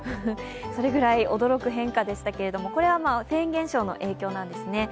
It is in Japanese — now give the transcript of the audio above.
それぐらい驚く変化でしたけれどもこれはフェーン現象の影響なんですね。